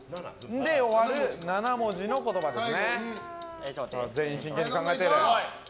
「ん」で終わる７文字の言葉です。